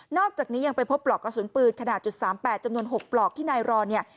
อกจากนี้ยังไปพบปลอกกระสุนปืนขนาด๓๘จำนวน๖ปลอกที่นายรอนเนี่ย